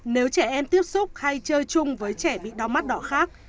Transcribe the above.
nếu trẻ em tiếp xúc hay chơi chung với trẻ bị đau mắt đỏ khác